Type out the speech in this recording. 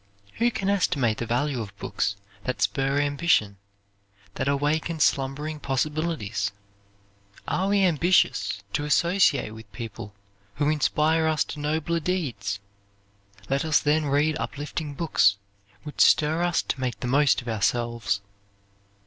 Who can estimate the value of books that spur ambition, that awaken slumbering possibilities? Are we ambitious to associate with people who inspire us to nobler deeds? Let us then read uplifting books, which stir us to make the most of ourselves.